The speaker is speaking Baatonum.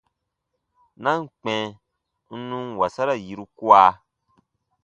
Na ǹ kpɛ̃ n nun wasara yiru kua.